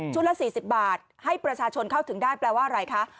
ละ๔๐บาทให้ประชาชนเข้าถึงได้แปลว่าอะไรคะ